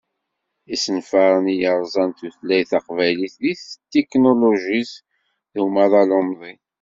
Isenfaren i yerzan tutlayt taqbaylit deg tetiknulujit d umaḍal umḍin.